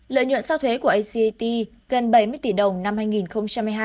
lợi nhuận sau thuế của acat gần bảy mươi tỷ đồng năm hai nghìn một mươi hai